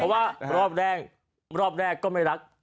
เพราะว่ารอบแรกก็ไม่รักกลุ่มนะฮะ